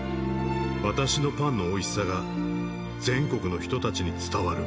私のパンのおいしさが全国の人たちに伝わる